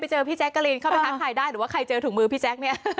เจอพี่แจ๊กกะลีนเข้าไปทักทายได้หรือว่าใครเจอถุงมือพี่แจ๊คเนี่ย